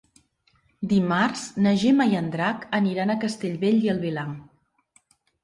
Dimarts na Gemma i en Drac aniran a Castellbell i el Vilar.